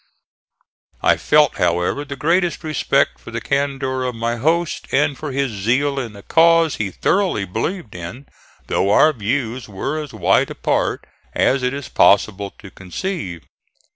I felt, however, the greatest respect for the candor of my host and for his zeal in a cause he thoroughly believed in, though our views were as wide apart as it is possible to conceive.